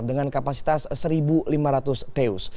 dengan kapasitas satu lima ratus teus